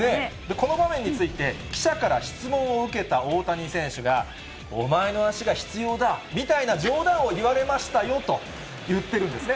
この場面について、記者から質問を受けた大谷選手が、お前の足が必要だみたいな冗談を言われましたよと言ってるんですね。